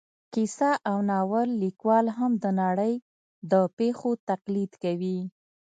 کیسه او ناول لیکوال هم د نړۍ د پېښو تقلید کوي